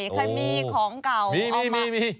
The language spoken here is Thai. ใครมีของเก่าเอามา